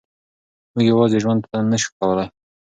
موږ یوازې ژوند نه شو کولای.